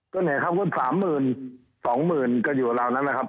ก็เหนือครับว่า๓๐๐๐๐๒๐๐๐๐ก็อยู่ราวนั้นนะครับ